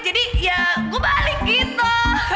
jadi ya gue balik gitu